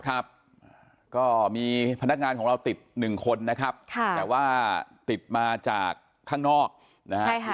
ครับก็มีพนักงานของเราติด๑คนนะครับแต่ว่าติดมาจากข้างนอกนะครับ